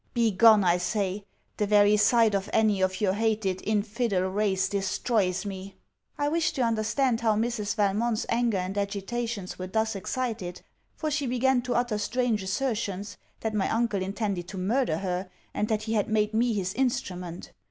Be gone, I say, the very sight of any of your hated infidel race destroys me.' I wished to understand how Mrs. Valmont's anger and agitations were thus excited, for she began to utter strange assertions, that my uncle intended to murder her, and that he had made me his instrument.